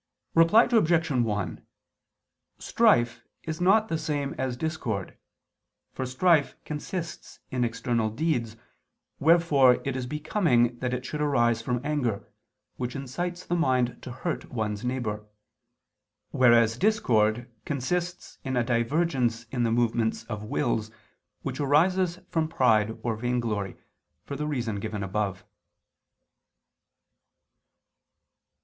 Reply Obj. 1: Strife is not the same as discord, for strife consists in external deeds, wherefore it is becoming that it should arise from anger, which incites the mind to hurt one's neighbor; whereas discord consists in a divergence in the movements of wills, which arises from pride or vainglory, for the reason given above.